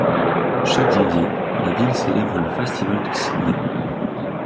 Chaque janvier, la ville célèbre le Festival de Sydney.